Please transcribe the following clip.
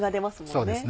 そうですね。